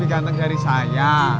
gak lebih ganteng dari saya